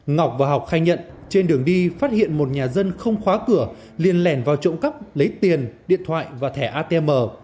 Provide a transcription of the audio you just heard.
ngọc và học khai nhận trên đường đi phát hiện một nhà dân không khóa cửa liền lẻn vào trộm cắp lấy tiền điện thoại và thẻ atm